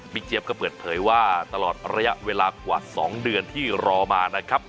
เจี๊ยบก็เปิดเผยว่าตลอดระยะเวลากว่า๒เดือนที่รอมานะครับ